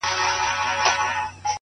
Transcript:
لكه د مور چي د دعا خبر په لپه كــي وي.!